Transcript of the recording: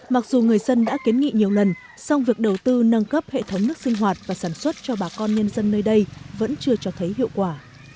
mặc dù người dân đã kiến nghị nhiều lần song việc đầu tư nâng cấp hệ thống nước sinh hoạt và sản xuất cho bà con nhân dân nơi đây vẫn chưa cho thấy hiệu quả